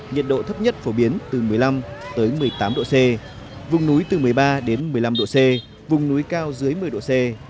nhiệt độ thấp nhất phổ biến từ một mươi năm một mươi tám độ c vùng núi từ một mươi ba đến một mươi năm độ c vùng núi cao dưới một mươi độ c